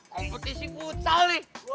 kompetisi putsal nih